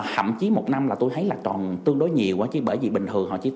hậm chí một năm là tôi thấy là còn tương đối nhiều quá chứ bởi vì bình thường họ chỉ có một năm